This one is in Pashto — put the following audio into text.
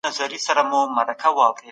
تاسي په اخلاقو کي ښه یاست.